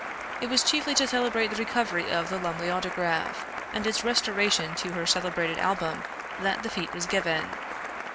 It was chiefly to celebrate the recovery of the Lumley Autograph, and its restoration to her celebrated Album that the fete was given.